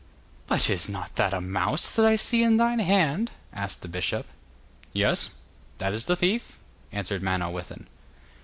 'But is not that a mouse that I see in thine hand?' asked the bishop. 'Yes; that is the thief,' answered Manawyddan.